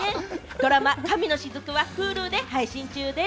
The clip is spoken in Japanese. ドラマ『神の雫』はＨｕｌｕで配信中です。